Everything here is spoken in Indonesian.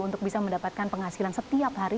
untuk bisa mendapatkan penghasilan setiap hari